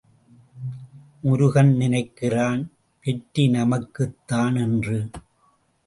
முருகன் நினைக்கிறான், வெற்றி நமக்குத் தான் என்று.